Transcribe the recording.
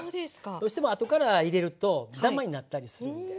どうしても後から入れるとダマになったりするんで。